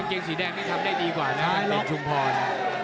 เกงสีแดงนี่ทำได้ดีกว่านะเอกชุมพร